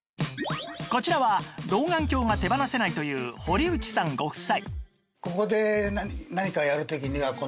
こちらは老眼鏡が手放せないという堀内さんご夫妻